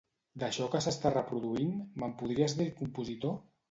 D'això que s'està reproduint, me'n podries dir el compositor?